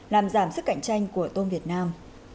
làm giảm sức cạnh tranh của tôm việt nam